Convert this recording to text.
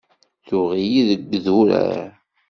Tuɣ-iyi deg idurar.